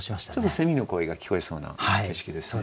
セミの声が聞こえそうな景色ですね。